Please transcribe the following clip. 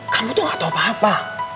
kamu tuh gak tau apa apa